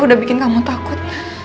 udah bikin kamu takut